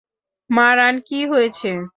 মারান, কী হয়েছে?